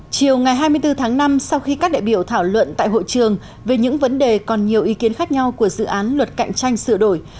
chiều ngày hai mươi bốn tháng năm sau khi các đại biểu thảo luận tại hội trường về những vấn đề còn nhiều ý kiến khác nhau của dự án luật cạnh tranh sửa đổi